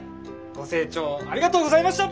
ご清聴ありがとうございました！